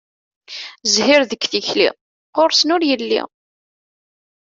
Zzhir deg tikli, ɣur-sen ur yelli.